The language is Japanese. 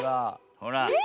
ほら。